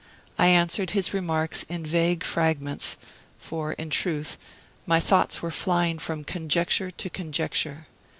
I answered his remarks in vague fragments, for, in truth, my thoughts were flying from conjecture to conjecture.